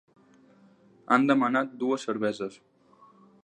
Han demanat dues cerveses.